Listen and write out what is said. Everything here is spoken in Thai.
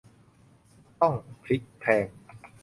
ต้องพลิกแพลง